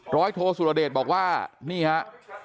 ร้อยโทษุรเดชบอกว่านี่ครับ